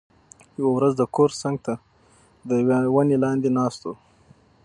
یوه ورځ د کور څنګ ته د یوې ونې لاندې ناست و،